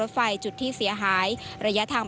ไฟจุดที่เสียหายระยะทาง